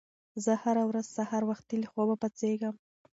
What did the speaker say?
زه هره ورځ سهار وختي له خوبه پاڅېږم.